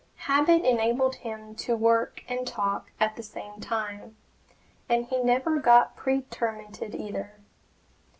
Habit had enabled him to work and talk at the same time, and he never pretermitted either.